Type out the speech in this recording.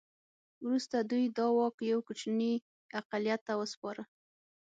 وروسته دوی دا واک یو کوچني اقلیت ته وسپاره.